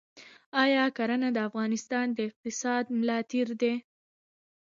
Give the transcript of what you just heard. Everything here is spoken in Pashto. آیا کرنه د افغانستان د اقتصاد ملا تیر دی؟